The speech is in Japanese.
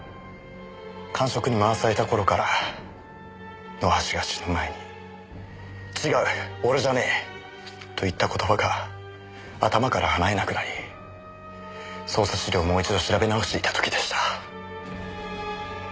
閑職に回された頃から野橋が死ぬ前に「違う俺じゃねえ！」と言った言葉が頭から離れなくなり捜査資料をもう一度調べ直していた時でした。